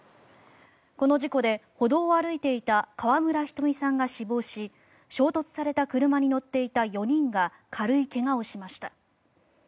この事故で、歩道を歩いていた川村ひとみさんが死亡し衝突された車に乗っていた４人が軽い怪我をしました。